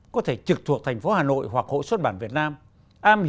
có thể trực thuộc thành phố hà nội hoặc hội xuất bản việt nam